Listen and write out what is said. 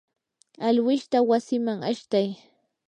alwishta wasiman ashtay.